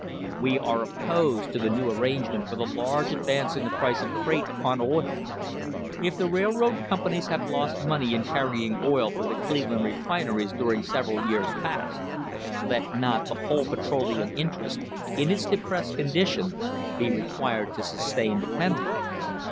We are opposed to the new arrangement for the large advance in the price of freight upon oil. If the railroad companies have lost money in carrying oil for the Cleveland refineries during several years past, let not the whole petroleum interest, in its depressed condition, be required to sustain the penalty.